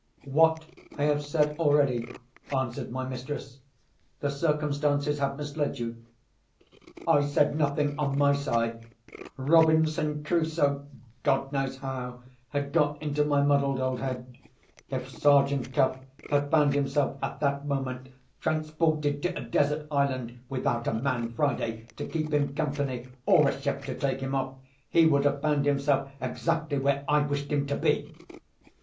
"What I have said already," answered my mistress. "The circumstances have misled you." I said nothing on my side. Robinson Crusoe—God knows how—had got into my muddled old head. If Sergeant Cuff had found himself, at that moment, transported to a desert island, without a man Friday to keep him company, or a ship to take him off—he would have found himself exactly where I wished him to be!